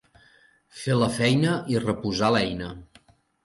Fer la feina i reposar l'eina.